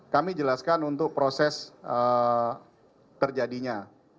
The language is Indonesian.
kami jelaskan untuk proses terjadinya